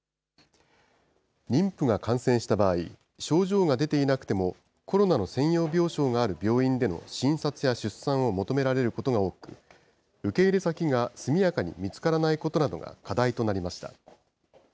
妊婦が感染した場合、症状が出ていなくても、コロナの専用病床がある病院での診察や出産を求められることが多く、受け入れ先が速やかに見つからないことなどが課題となりました。